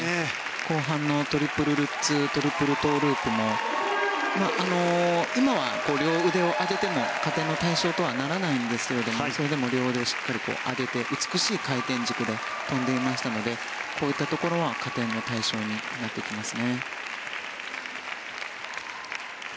後半のトリプルルッツトリプルトウループも今は両腕を上げても加点の対象とはならないですがそれでも両腕をしっかり上げて美しい回転軸で跳んでいましたのでこういったところは加点の対象になってきます。